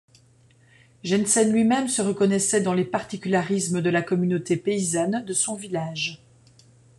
Jensen lui-même se reconnaissait dans les particularismes de la communauté paysanne de son village.